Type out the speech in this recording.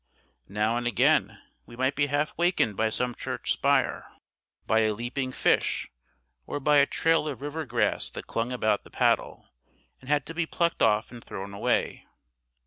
Now and again we might be half wakened by some church spire, by a leaping fish, or by a trail of river grass that clung about the paddle and had to be plucked off and thrown away.